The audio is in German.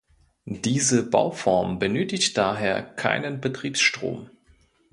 Diese Bauform benötigt daher keinen Betriebsstrom.